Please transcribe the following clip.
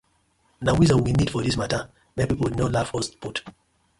Na wisdom we need for dis matta mek pipus no laugh us put.